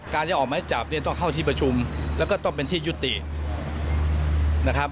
จะออกไม้จับเนี่ยต้องเข้าที่ประชุมแล้วก็ต้องเป็นที่ยุตินะครับ